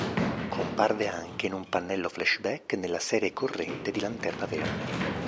Comparve anche in un pannello flashback nella serie corrente di Lanterna Verde.